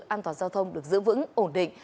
an toàn giao thông được giữ vững ổn định